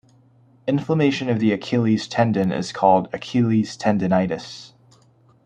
Inflammation of the Achilles tendon is called Achilles tendinitis.